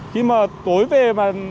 khi mà tối về mà